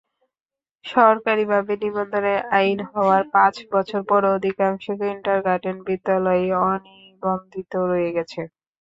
সরকারিভাবে নিবন্ধনের আইন হওয়ার পাঁচ বছর পরও অধিকাংশ কিন্ডারগার্টেন বিদ্যালয়ই অনিবন্ধিত রয়ে গেছে।